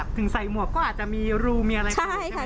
ถึงใส่หมวกก็อาจจะมีรูมีอะไรขึ้นใช่ไหมพี่